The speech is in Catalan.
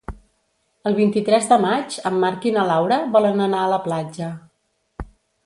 El vint-i-tres de maig en Marc i na Laura volen anar a la platja.